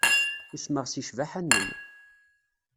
Usmeɣ seg ccbaḥa-nnem.